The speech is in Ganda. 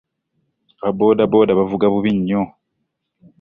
Aba booda booda bavuga bubi nnyo.